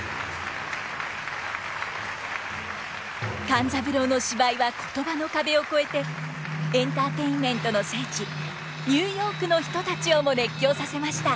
勘三郎の芝居は言葉の壁を越えてエンターテインメントの聖地ニューヨークの人たちをも熱狂させました。